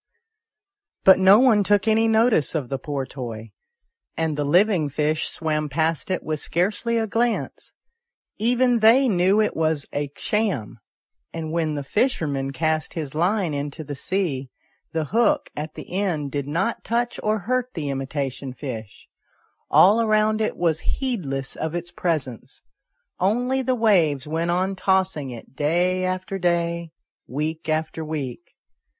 But no one took any notice of the poor toy, and the living fish swam past it with scarcely a glance ; even they knew it was a sham ; and when the fisher man cast his line into the sea, the hook at the end did not touch or hurt the imitation fish ; all around it was heedless of its presence, only the waves went on tossing it day after day, week after week.